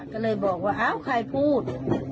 ก็เลยบอกว่าอ้าวใครพูด